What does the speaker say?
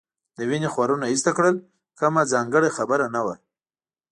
د وینې خورونه ایسته کړل، کومه ځانګړې خبره نه وه.